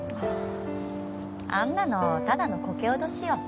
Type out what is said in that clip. あんなのただのこけおどしよ。